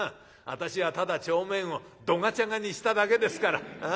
私はただ帳面をどがちゃがにしただけですから。